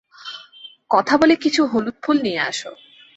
কথা বলে কিছু হলুদ ফুল নিয়ে আয়।